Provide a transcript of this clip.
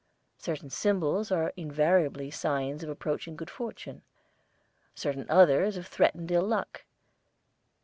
Certain symbols are invariably signs of approaching good fortune: certain others of threatened ill luck.